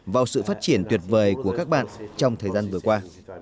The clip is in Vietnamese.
vào sự phát triển tuyệt vời của các bạn trong thời gian vừa qua